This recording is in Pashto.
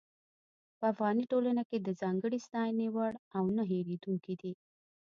په افغاني ټولنه کې د ځانګړې ستاينې وړ او نۀ هېرېدونکي دي.